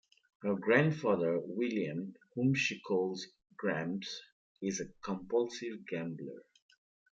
Her grandfather, William, whom she calls "Gramps," is a compulsive gambler.